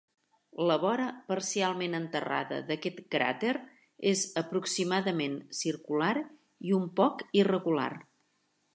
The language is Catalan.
La vora parcialment enterrada d'aquest cràter és aproximadament circular i un poc irregular.